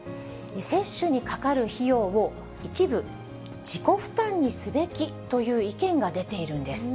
接種にかかる費用を一部、自己負担にすべきという意見が出ているんです。